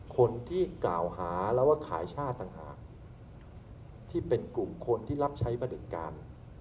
คนที่กล่าวหาแล้วว่าขายชาติต่างหากที่เป็นกลุ่มคนที่รับใช้ประเด็จการ